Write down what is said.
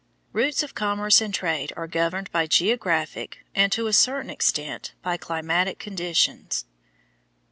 Routes of commerce and trade are governed by geographic, and to a certain extent by climatic, conditions.